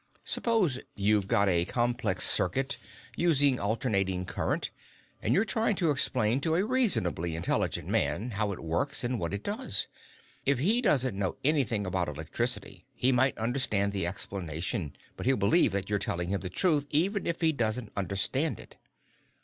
Suppose you've got a complex circuit using alternatic current, and you're trying to explain to a reasonably intelligent man how it works and what it does. If he doesn't know anything about electricity, he mightn't understand the explanation, but he'll believe that you're telling him the truth even if he doesn't understand it.